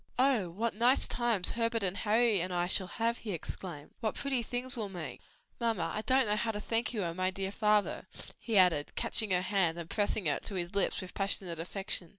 "Oh what nice times Herbert and Harry and I shall have!" he exclaimed. "What pretty things we'll make! Mamma, I don't know how to thank you and my dear father!" he added, catching her hand and pressing it to his lips with passionate affection.